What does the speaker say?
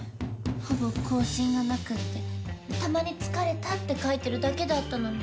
ほぼ更新がなくてたまに「疲れた」って書いてるだけだったのに。